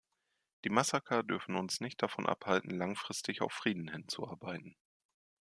Die Massaker dürfen uns nicht davon abhalten, langfristig auf Frieden hinzuarbeiten.